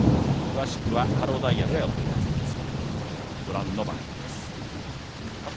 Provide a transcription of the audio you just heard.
詳しくはハローダイヤルへお問い合わせください。